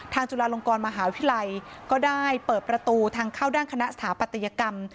จุฬาลงกรมหาวิทยาลัยก็ได้เปิดประตูทางเข้าด้านคณะสถาปัตยกรรม